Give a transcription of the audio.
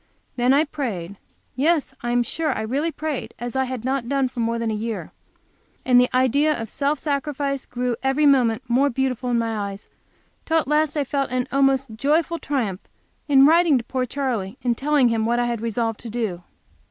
Then I prayed yes, I am sure I really prayed as I had not done for more than a year, the idea of self sacrifice grew every moment more beautiful in my eyes, till at last I felt an almost joyful triumph in writing to poor Charley, and tell him what I had resolved to do.